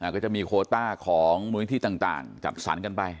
ก็จะมีโคล์ต้าของมุมิตรที่ต่างจัดสรรค์กันไป